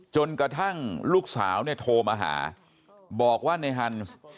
จนกระทั่งลูกสาวเนี่ยโทรมาหาบอกว่าในฮันส์